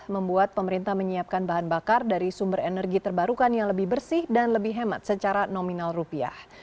membuat pemerintah menyiapkan bahan bakar dari sumber energi terbarukan yang lebih bersih dan lebih hemat secara nominal rupiah